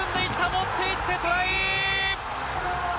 持っていってトライ！